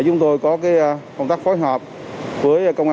chúng tôi có công tác phối hợp với công an tp hcm